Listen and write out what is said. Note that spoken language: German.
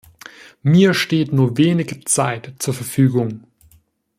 Mir steht nur wenig Zeit zur Verfügung.